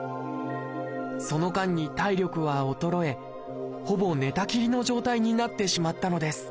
その間に体力は衰えほぼ寝たきりの状態になってしまったのです。